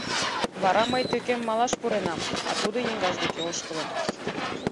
Вара мый тӧкем малаш пуренам, а тудо еҥгаж деке ошкылын.